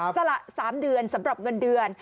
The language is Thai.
สละ๓เดือนสำหรับเงินเดือน